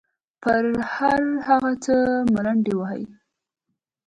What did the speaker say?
پر هر هغه څه ملنډې وهي.